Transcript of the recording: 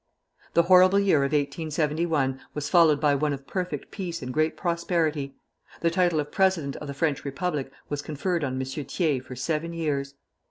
The horrible year of 1871 was followed by one of perfect peace and great prosperity. The title of President of the French Republic was conferred on M. Thiers for seven years.